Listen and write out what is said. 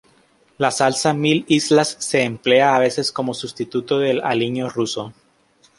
La salsa mil islas se emplea a veces como substituto del aliño ruso.